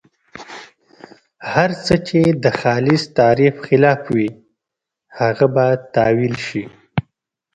هر څه چې د خالص تعریف خلاف وي هغه به تاویل شي.